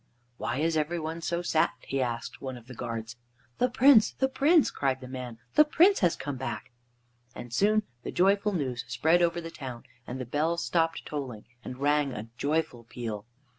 "Why is every one so sad?" he asked of one of the guards. "The Prince, the Prince!" cried the man. "The Prince has come back." And soon the joyful news spread over the town, and the bells stopped tolling and rang a joyful peal.